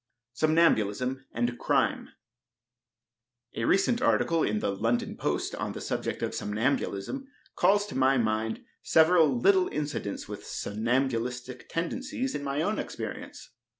Somnambulism and Crime. A recent article in the London Post on the subject of somnambulism, calls to my mind several little incidents with somnambulistic tendencies in my own experience.